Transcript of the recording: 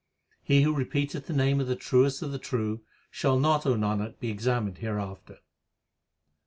He who repeateth the name of the Truest of the true, Shall not, O Nanak, be examined hereafter.